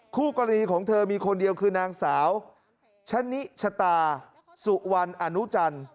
คู่กรณีของเธอมีคนเดียวคือนางสาวชะนิชตาสุวรรณอนุจันทร์